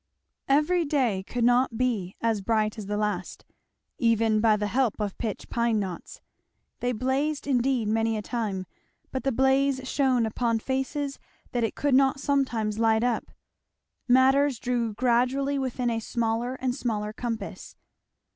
Every day could not be as bright as the last, even by the help of pitch pine knots. They blazed indeed, many a time, but the blaze shone upon faces that it could not sometimes light up. Matters drew gradually within a smaller and smaller compass.